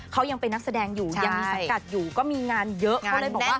เขายังเป็นนักแสดงอยู่ยังมีสังกัดอยู่ก็มีงานเยอะเขาเลยบอกว่า